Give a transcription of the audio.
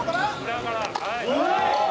「裏からはい」